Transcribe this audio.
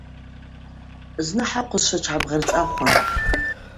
Зны хӏахъвызшва тшгӏабгъарцӏахуан.